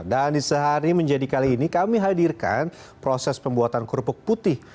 dan di sehari menjadi kali ini kami hadirkan proses pembuatan kerupuk putih